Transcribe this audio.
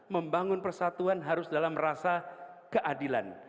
membangun persatuan harus dalam rasa keadilan